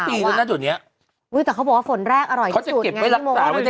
บ๊วยแต่เขาบอกว่าฝนแรกอร่อยที่สุด